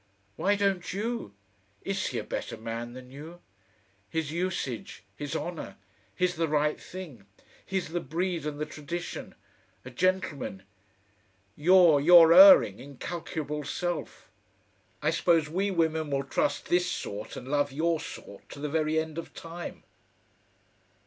Why don't you? IS he a better man than you? He's usage, he's honour, he's the right thing, he's the breed and the tradition, a gentleman. You're your erring, incalculable self. I suppose we women will trust this sort and love your sort to the very end of time...."